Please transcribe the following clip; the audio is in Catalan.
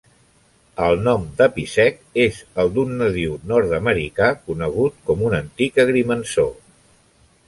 El nom de "Piseco" és el d'un nadiu nord-americà conegut com un antic agrimensor.